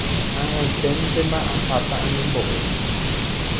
Ag̃aiténtema aháta añembo'e.